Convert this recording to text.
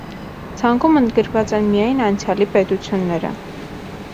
Ցանկում ընդգրկված են միայն անցյալի պետությունները։